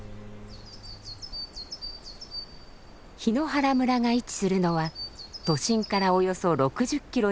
檜原村が位置するのは都心からおよそ６０キロ